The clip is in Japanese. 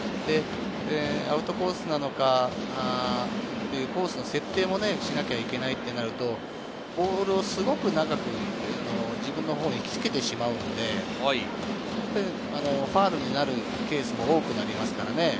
アウトコースなのかっていうコースの設定もしなきゃいけないってなるとボールをすごく長く自分のほうに引きつけてしまうので、ファウルになるケースが多くなりますからね。